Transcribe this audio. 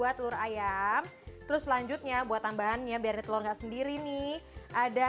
pakai dua telur ayam terus selanjutnya buat tambahannya biar telur nggak sendiri nih ada